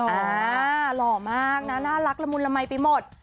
หอหล่อมากน่ารักละมุลละไมไปหมด